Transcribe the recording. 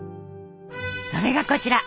それがこちら！